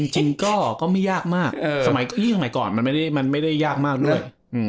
จริงก็ไม่ยากมากสมัยก่อนมันไม่ได้ยากมากด้วยอืม